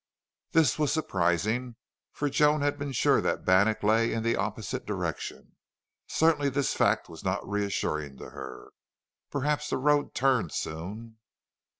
This was surprising, for Joan had been sure that Bannack lay in the opposite direction. Certainly this fact was not reassuring to her. Perhaps the road turned soon.